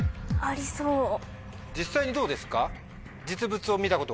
実際にどうですか？